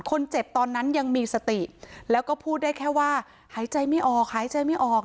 ตอนนั้นยังมีสติแล้วก็พูดได้แค่ว่าหายใจไม่ออกหายใจไม่ออก